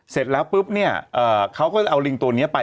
เสร็จแล้วปุ๊บเนี่ยเขาก็จะเอาลิงตัวนี้ไป